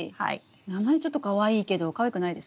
名前ちょっとかわいいけどかわいくないですね。